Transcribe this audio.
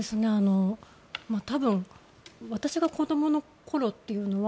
多分私が子どもの頃というのは